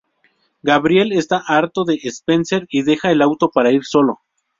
Gabriel está harto de Spencer y deja el auto para ir solo.